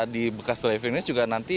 di bekas area driving range juga nanti